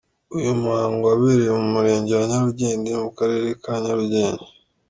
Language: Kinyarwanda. Uyu muhango wabereye mu murenge wa Nyarugenge mu karere ka Nyarugenge.